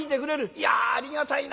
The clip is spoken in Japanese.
いやありがたいな」。